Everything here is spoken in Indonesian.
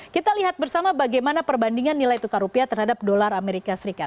kita lihat bersama bagaimana perbandingan nilai tukar rupiah terhadap dolar amerika serikat